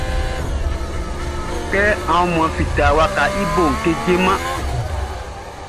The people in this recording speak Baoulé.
Kɛ aunmuanʼn fitaʼn, wakaʼn i boʼn kejeman.